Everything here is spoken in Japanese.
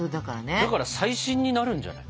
だから最新になるんじゃない？